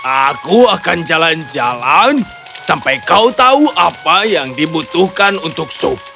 aku akan jalan jalan sampai kau tahu apa yang dibutuhkan untuk sup